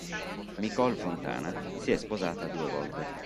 Micol Fontana si è sposata due volte.